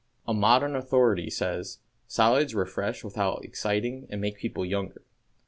A modern authority says, "Salads refresh without exciting and make people younger."